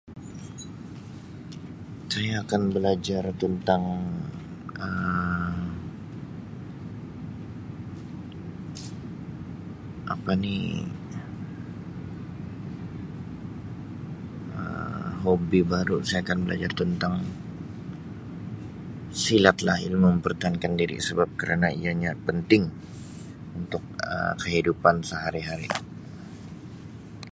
Saya akan belajar tentang Um apa ni Um hobi baru, saya akan belajar tentang silat lah. Ilmu mempertahankan diri sebab kerana ianya penting untuk Um kehidupan sehari-hari.